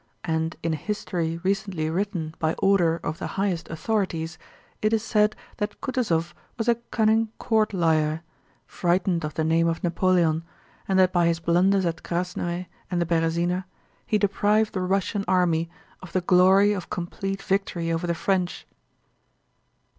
And in a history recently written by order of the Highest Authorities it is said that Kutúzov was a cunning court liar, frightened of the name of Napoleon, and that by his blunders at Krásnoe and the Berëzina he deprived the Russian army of the glory of complete victory over the French.